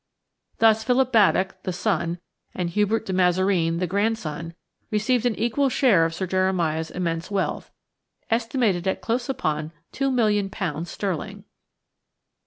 Thus Philip Baddock, the son, and Hubert de Mazareen, the grandson, received an equal share of Sir Jeremiah's immense wealth, estimated at close upon £2,000,000 sterling.